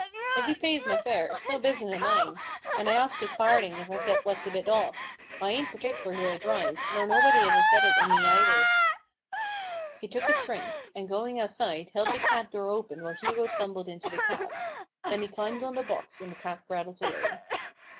If 'e pays my fare, it's no business o' mine ; and I asks his parding if I've said what's a bit off. I ain't perticler who I drive, nor nobody ever said it o' me neither." He took his drink ; and, going outside, held the cab door open while Hugo stumbled into the cab. Then he climbed on the box, and the cab rattled away. HUGO RAVENS HAND.